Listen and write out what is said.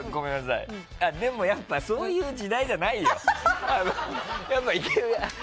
でも、やっぱそういう時代じゃないよ。